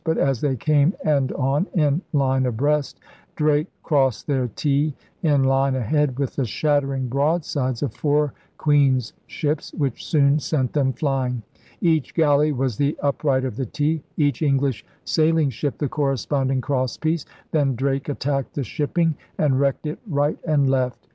But as they came end on in line abreast Drake crossed their T in line ahead with the shattering broadsides of four Queen's ships which soon sent them flying. Each galley was the upright of the T, each English sail ing ship the corresponding cross piece. Then Drake attacked the shipping and wrecked it right and left.